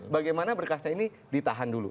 bagaimana berkasnya ini ditahan dulu